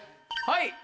はい。